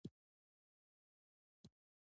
• ژوند د فرصتونو مجموعه ده، که ته یې وکاروې.